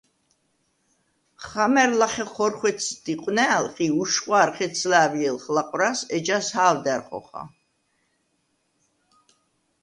ხამა̈რ ლახე ხორხვეცდ იყვნა̄̈ლხ ი უშხვა̄რ ხეცლა̈ვჲე̄ლხ ლაყვრას, ეჯას ჰა̄ვდა̈რ ხოხა.